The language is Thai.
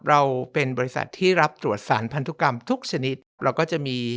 เราเป็นบริษัทที่รับตรวจสารพันธุกรรมทุกชนิดเราก็จะมี